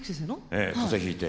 ええ風邪ひいて。